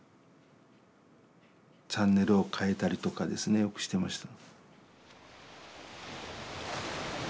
チャンネルを替えたりとかですねよくしてました。